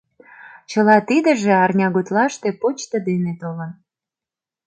Чыла тидыже арня гутлаште почто дене толын.